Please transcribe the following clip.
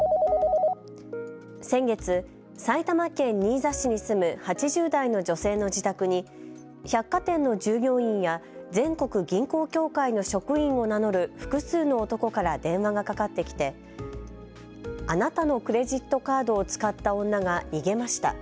先月、埼玉県新座市に住む８０代の女性の自宅に百貨店の従業員や全国銀行協会の職員を名乗る複数の男から電話がかかってきてあなたのクレジットカードを使った女が逃げました。